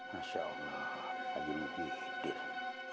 masya allah pak haji muhyiddin